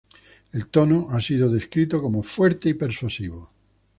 El tono ha sido descrito como fuerte y persuasivo.